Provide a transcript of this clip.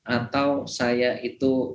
atau saya itu